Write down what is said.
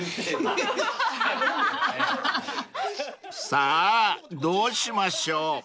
［さぁどうしましょう？］